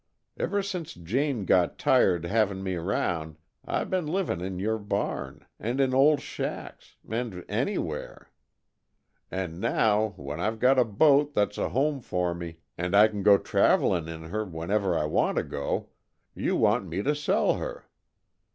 Ever since Jane got tired havin' me 'round I've been livin' in your barn, and in old shacks, and anywheres, and now, when I've got a boat that's a home for me, and I can go traveling in her whenever I want to go, you want me to sell her.